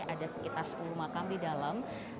ada sekitar sepuluh makam di dalam